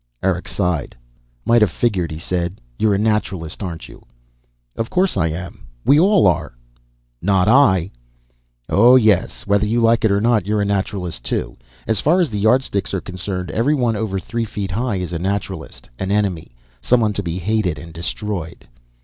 Eric sighed. "Might have figured," he said. "You're a Naturalist, aren't you?" "Of course I am. We all are." "Not I." "Oh yes whether you like it or not, you're a Naturalist, too. As far as the Yardsticks are concerned, everyone over three feet high is a Naturalist. An enemy. Someone to be hated, and destroyed."